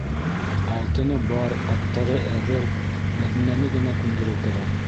Алтыны бар, аттары әҙер - Мәҙинәне генә күндереү кәрәк.